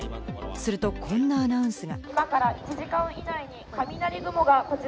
すると、こんなアナウンスが。